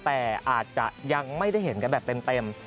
แต่อาจจะยังไม่ได้เห็นกันแบบเต็ม